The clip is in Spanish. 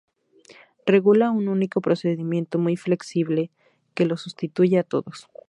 Regula un único procedimiento, muy flexible, que los sustituye a todos.